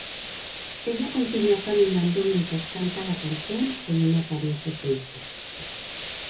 Ella continúa caminando mientras canta la canción con una apariencia triste.